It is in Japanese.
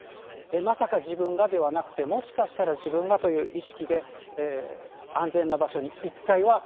まさか自分がではなくて、もしかしたら自分がという意識で、安全な場所に。